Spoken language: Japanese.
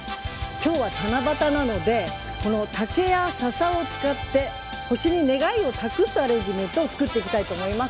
今日は七夕なので竹やささを使って星に願いを託すアレンジメントを作っていきたいと思います。